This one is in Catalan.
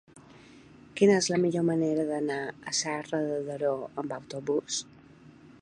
Quina és la millor manera d'anar a Serra de Daró amb autobús?